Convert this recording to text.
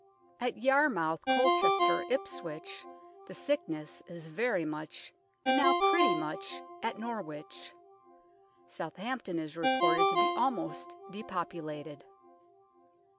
At Yarmouth, Colchester, Ipswich the sicknes is very much, and now pretty much at Norwich ; Southampton is reported to bee allmost depopulated."